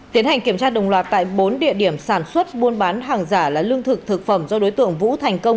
tiến hành kiểm tra đồng loạt tại bốn địa điểm sản xuất buôn bán hàng giả là lương thực thực phẩm do đối tượng vũ thành công